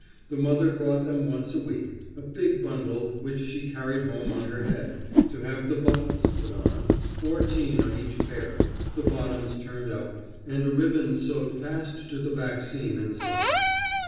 The mother brought them once a week a big bundle which she carried home on her head to have the buttons put on, fourteen on each pair, the bottoms turned up, and a ribbon sewed fast to the back seam inside.